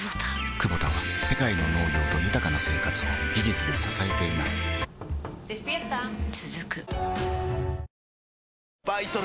クボタは世界の農業と豊かな生活を技術で支えています起きて。